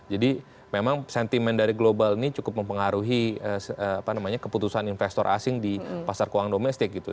jadi memang sentimen dari global ini cukup mempengaruhi keputusan investor asing di pasar keuangan domestik gitu